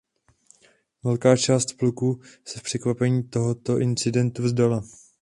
Velká část pluku se v překvapení tohoto incidentu vzdala.